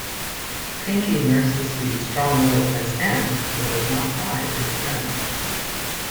Pinky nurses the strong-willed Miss Em, but does not hide her resentment.